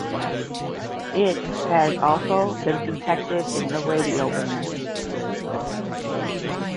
It has also been detected in the radio band.